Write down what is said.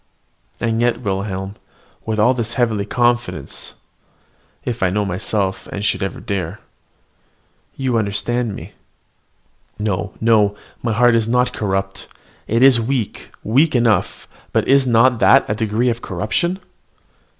And yet, Wilhelm, with all this heavenly confidence, if I know myself, and should ever dare you understand me. No, no! my heart is not so corrupt, it is weak, weak enough but is not that a degree of corruption?